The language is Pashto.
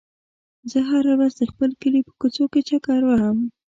زه هره ورځ د خپل کلي په کوڅو کې چکر وهم.